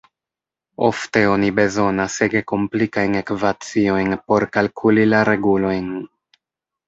Ofte oni bezonas ege komplikajn ekvaciojn por kalkuli la regulojn.